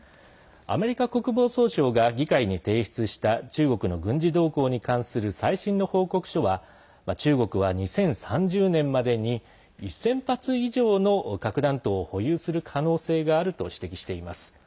アメリカ国防総省が議会に提出した中国の軍事動向に関する最新の報告書は中国は２０３０年までに１０００発以上の核弾頭を保有する可能性があると指摘しています。